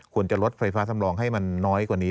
ควรจะลดไฟฟ้าสำรองให้มันน้อยกว่านี้